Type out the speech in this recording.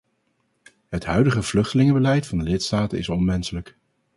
Het huidige vluchtelingenbeleid van de lidstaten is onmenselijk.